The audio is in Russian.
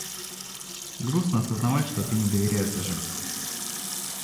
Грустно осознавать, что ты не доверяешь даже мне.